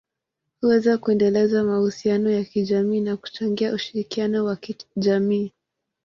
huweza kuendeleza mahusiano ya kijamii na kuchangia ushirikiano wa kijamii.